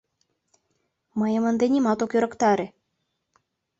— Мыйым ынде нимат ок ӧрыктаре.